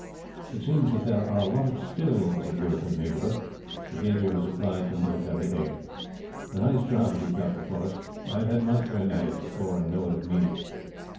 It seems that there are a lot of stills at work in the neighborhood. The gauger has applied for military aid. A nice job we have got before us. I have had my turn at it before, and know what it means.